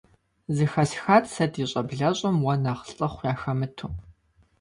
Зыхэсхат сэ ди щӀэблэщӀэм уэ нэхъ лӀыхъу яхэмыту.